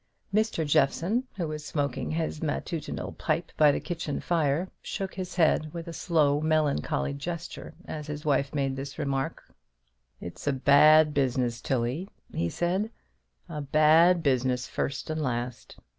Mr. Jeffson, who was smoking his matutinal pipe by the kitchen fire, shook his head with a slow melancholy gesture as his wife made this remark. "It's a bad business, Tilly," he said, "a bad business first and last.